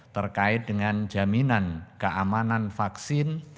terkait dengan jaminan keamanan vaksin